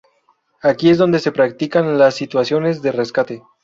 Aquí es donde se practican las situaciones de rescate.